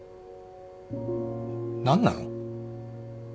何なの。